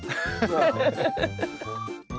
ハハハハッ！